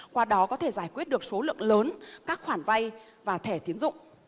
qua đó có thể giải quyết được số lượng lớn các khoản vai và thẻ tín dụng